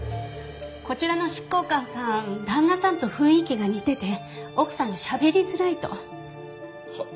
こちらの執行官さん旦那さんと雰囲気が似てて奥さんがしゃべりづらいと。は。